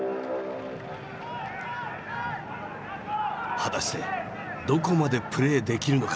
果たしてどこまでプレーできるのか？